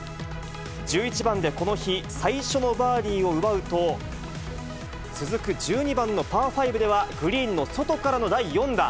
１１番でこの日最初のバーディーを奪うと、続く１２番のパー５では、グリーンの外からの第４打。